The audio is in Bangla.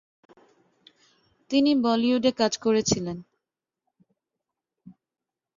তিনি বলিউডে কাজ করেছিলেন।